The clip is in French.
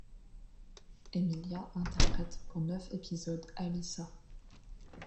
Emilia interprète pour neuf épisodes Alyssa.